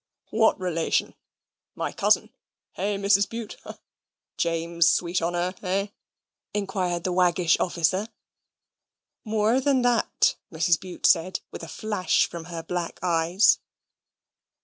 "What relation my cousin, hey, Mrs. Bute? James sweet on her, hey?" inquired the waggish officer. "More than that," Mrs. Bute said, with a flash from her black eyes.